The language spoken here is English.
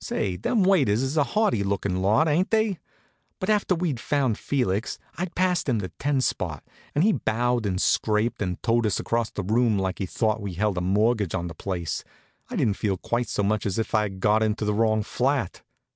Say, them waiters is a haughty lookin' lot, ain't they? But after we'd found Felix, and I'd passed him a ten spot, and he'd bowed and scraped and towed us across the room like he thought we held a mortgage on the place, I didn't feel quite so much as if I'd got into the wrong flat.